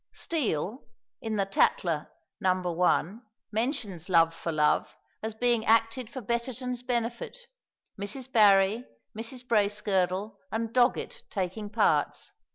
Steele, in the Tatler, No. 1, mentions "Love for Love" as being acted for Betterton's benefit Mrs. Barry, Mrs. Bracegirdle, and Doggett taking parts.